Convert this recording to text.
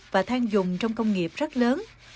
và thang dùng trong công nghiệp rất lớn